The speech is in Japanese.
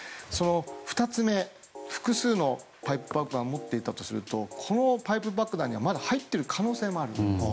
２つ目、複数のパイプ爆弾を持っていたとするとこのパイプ爆弾には、まだ入っている可能性もあるんです。